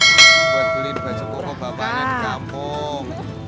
buat beliin baju pokok bapaknya di kampung